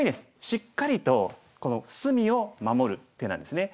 しっかりとこの隅を守る手なんですね。